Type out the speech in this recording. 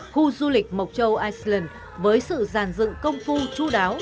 khu du lịch mộc châu iceland với sự giàn dựng công phu chú đáo